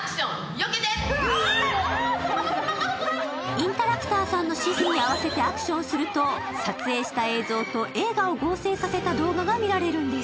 インタラクターさんの指示に合わせてアクシヨンすると、撮影した映像と映画を合成させた動画が見られるんです。